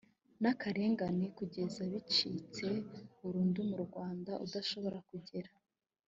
n akarengane kugeza bicitse burundu mu rwanda udashobora kugera